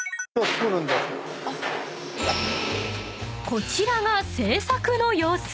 ［こちらが製作の様子］